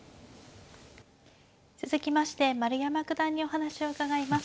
続きまして丸山九段にお話を伺います。